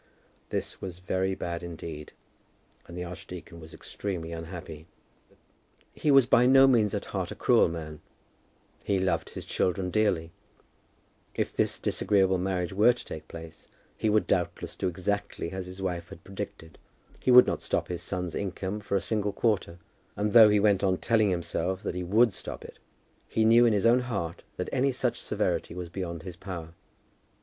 This was very bad indeed, and the archdeacon was extremely unhappy. He was by no means at heart a cruel man. He loved his children dearly. If this disagreeable marriage were to take place, he would doubtless do exactly as his wife had predicted. He would not stop his son's income for a single quarter; and, though he went on telling himself that he would stop it, he knew in his own heart that any such severity was beyond his power.